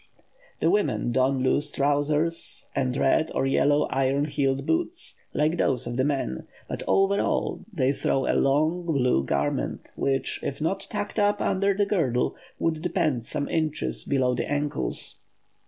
The women don loose trousers, and red or yellow iron heeled boots, like those of the men; but over all they throw a long blue garment, which, if not tucked up under the girdle, would depend some inches below the ankles.